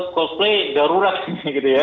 cosplay darurat gitu ya